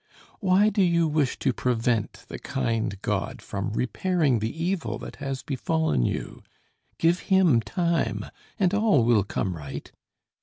Why do you wish to prevent the kind God from repairing the evil that has befallen you? Give Him time, and all will come right.